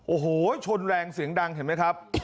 โอ้โหชนแรงเสียงดังเห็นไหมครับ